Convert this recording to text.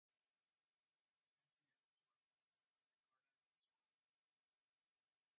Sentinels were posted at the corners of the square.